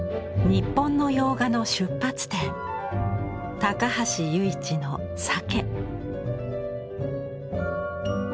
日本の洋画の出発点高橋由一の「鮭」。